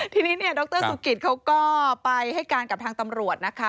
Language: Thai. ทีนี้เนี่ยดรสุกิตเขาก็ไปให้การกับทางตำรวจนะคะ